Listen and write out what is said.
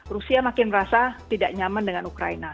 rusia makin merasa tidak nyaman dengan ukraina